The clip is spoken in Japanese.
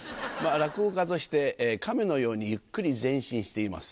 落語家として亀のようにゆっくり前進しています